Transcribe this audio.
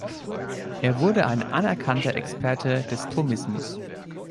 Er wurde ein anerkannter Experte des Thomismus.